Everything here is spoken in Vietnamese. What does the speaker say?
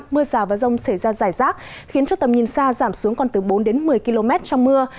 mưa rào và rông xảy ra rải rác khiến cho tầm nhìn xa giảm xuống còn từ bốn đến một mươi km trong mưa